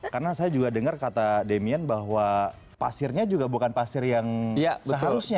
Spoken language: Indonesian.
karena saya juga dengar kata demian bahwa pasirnya juga bukan pasir yang seharusnya gitu ya